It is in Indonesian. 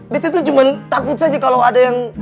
beto tuh cuman takut saja kalo ada yang